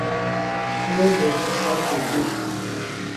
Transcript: N’ụbọchị Satọdee